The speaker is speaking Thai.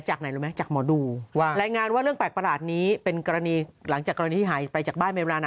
ฮนะเชิดอย่างในเป็นกรณีหายไปจากปลาย